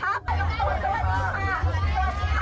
สวัสดีค่ะสวัสดีค่ะสวัสดีค่ะ